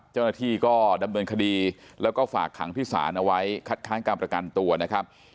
เจ้าหน้าที่ก็ดำเนินคดีแล้วก็ฝากขังที่ศาลเอาไว้คัดค้านการประกันตัวนะครับ